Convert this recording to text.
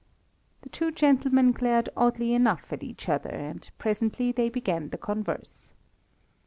The two gentlemen glared oddly enough at each other, and presently they began to converse.